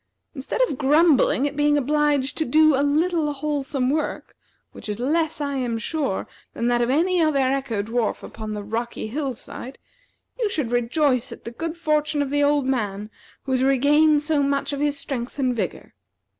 Instead of grumbling at being obliged to do a little wholesome work, which is less, I am sure, than that of any other echo dwarf upon the rocky hill side, you should rejoice at the good fortune of the old man who has regained so much of his strength and vigor.